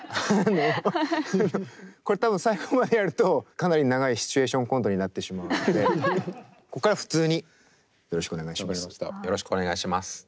あのこれ多分最後までやるとかなり長いシチュエーションコントになってしまうのでここから普通によろしくお願いします。